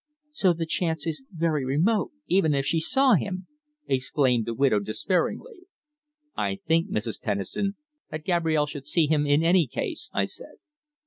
"So the chance is very remote, even if she saw him," exclaimed the widow despairingly. "I think, Mrs. Tennison, that Gabrielle should see him in any case," I said.